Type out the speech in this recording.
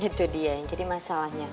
itu dia yang jadi masalahnya